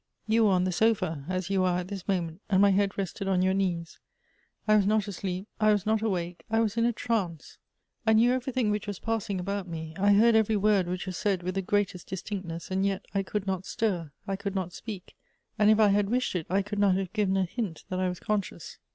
You were on the sofa, as you are at this moment, and my head rested on your knees. I was not asleep, I was not awake : I was in a trance. I knew cverytliing which was passing about me. I heard every word which was said with the greatest distinctness, and yet I could not stir, I could not speak; and if I had wished it, I could not have given a hint that I was conscious.